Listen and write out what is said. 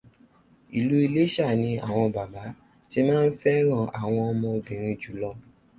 Ìlú Iléṣà ni àwọn bàbá tí máa ń fẹ́ràn àwọn ọmọbìnrin jù lọ.